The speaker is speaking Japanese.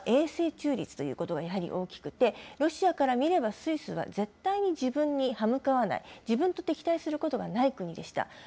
１つは永世中立ということがやはり大きくて、ロシアから見ればスイスは自分に歯向かわない、自分と敵対することがない国でした。